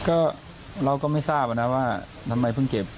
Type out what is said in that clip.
ก็เราก็ไม่ทราบนะว่าทำไมเพิ่งเก็บ